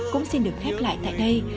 cũng xin được khép lại tại đây